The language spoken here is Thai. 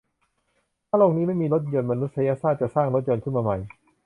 ถ้าโลกนี้ไม่มีรถยนต์ มนุษยชาติจะสร้างรถยนต์ขึ้นมาใหม่